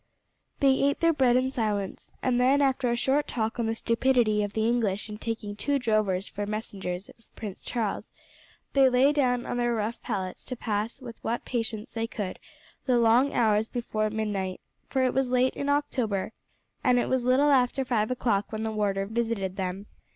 They ate their bread in silence, and then after a short talk on the stupidity of the English in taking two drovers for messengers of Prince Charles, they lay down on their rough pallets to pass with what patience they could the long hours before midnight, for it was late in October, and it was little after five o'clock when the warder visited them.